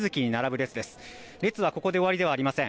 列はここで終わりではありません。